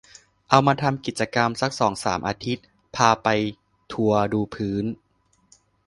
เอามาทำกิจกรรมสักสองสามอาทิตย์ พาไปทัวร์ดูพื้น